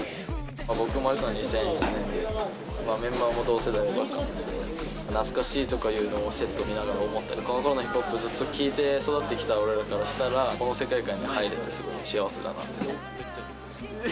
僕生まれたのが２００１年で、メンバーも同世代ばっかなんで、懐かしいとかいうのをセット見ながら思ったり、２０００年代のヒップホップ聴いて育ってきた俺らからしたら、この世界観に入れてかっこいいね。